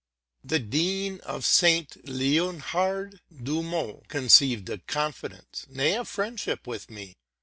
The Dean of St. Leonhard, Dumeitz, conceived a confidence, nay, a friendship, for me.